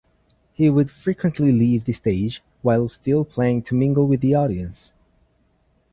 He would frequently leave the stage while still playing to mingle with the audience.